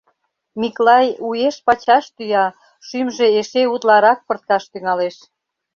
— Миклай уэш-пачаш тӱя, шӱмжӧ эше утларак пырткаш тӱҥалеш.